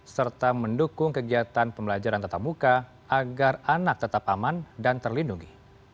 serta mendukung kegiatan pembelajaran tatap muka agar anak tetap aman dan terlindungi